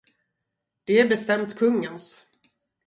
Det är bestämt kungens.